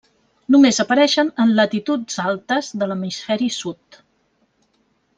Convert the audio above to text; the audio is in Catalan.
Només apareixen en latituds altes de l'hemisferi sud.